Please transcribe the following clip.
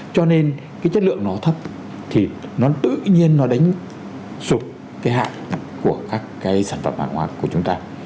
cho nên cái chất lượng nó thấp thì nó tự nhiên nó đánh sụp cái hạn của các cái sản phẩm hàng hóa của chúng ta